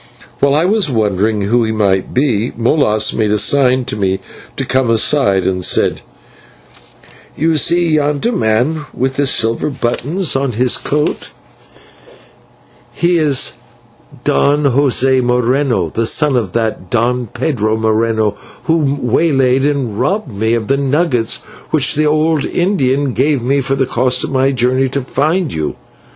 While I was wondering who he might be, Molas made a sign to me to come aside, and said: "You see yonder man with the silver buttons on his coat: he is Don José Moreno, the son of that Don Pedro Moreno who waylaid and robbed me of the nuggets which the old Indian gave me for the cost of my journey to find you.